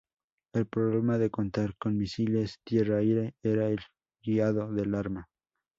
El problema de contar con misiles tierra-aire era el guiado del arma.